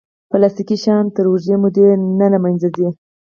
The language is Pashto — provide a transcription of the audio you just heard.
پلاستيکي شیان تر اوږدې مودې نه له منځه ځي.